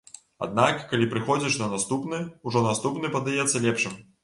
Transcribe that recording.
Аднак, калі прыходзіш на наступны, ужо наступны падаецца лепшым.